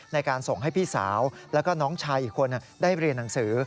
ในการส่งให้พี่สาวแล้วก็น้องชายอีกคนได้เรียนหนังสือ